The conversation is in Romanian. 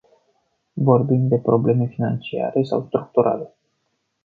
Vorbim de probleme financiare sau structurale?